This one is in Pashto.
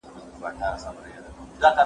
هغه څوک چي قلم کاروي پوهه زياتوي!